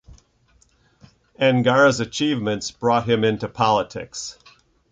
Angara's achievements brought him into politics.